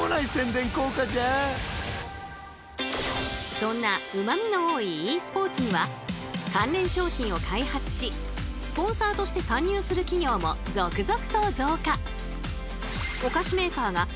そんなうまみの多いｅスポーツには関連商品を開発しスポンサーとして参入する企業も続々と増加。